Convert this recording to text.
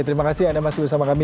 terima kasih anda masih bersama kami